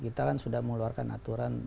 kita kan sudah mengeluarkan aturan